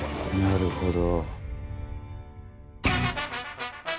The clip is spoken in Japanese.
なるほど。